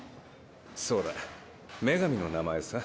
そうだ女神の名前さ。